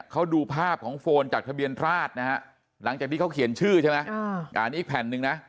เขาดูภาพของโฟนจากทะเบียนราชนะฮะหลังจากที่เขาเขียนชื่อใช่ไหมอันนี้อีกแผ่นหนึ่งนะ